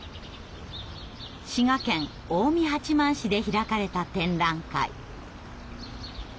滋賀県近江八幡市で開かれた展覧会。